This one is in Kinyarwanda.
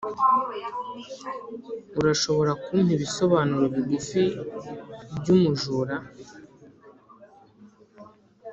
urashobora kumpa ibisobanuro bigufi byumujura?